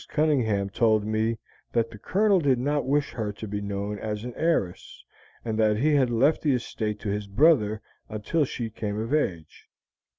Cunningham told me that the Colonel did not wish her to be known as an heiress, and that he had left the estate to his brother until she came of age.